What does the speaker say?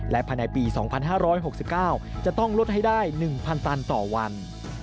และภายในปี๒๕๖๙จะต้องลดให้ได้๑๐๐ตันต่อวัน